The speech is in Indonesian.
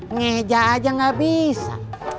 ngeja aja gak bisa